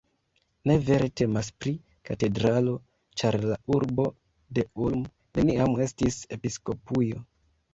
Ne vere temas pri katedralo, ĉar la urbo de Ulm, neniam estis episkopujo.